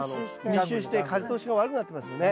密集して風通しが悪くなってますよね。